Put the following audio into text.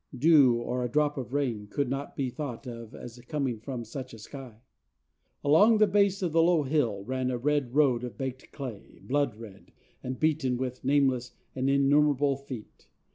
Dew or a drop of rain could not be thought of as coming from such a sky. Along the base of the low hill ran a red road of baked clay, blood red, and beaten with nameless and innumerable feet.